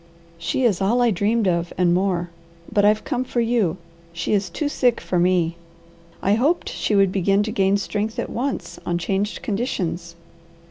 She is all I dreamed of and more, but I've come for you. She is too sick for me. I hoped she would begin to gain strength at once on changed conditions.